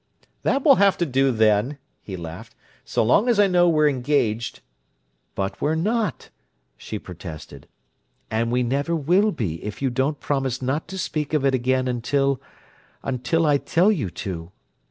"That will have to do, then," he laughed, "so long as I know we're engaged." "But we're not!" she protested. "And we never will be, if you don't promise not to speak of it again until—until I tell you to!"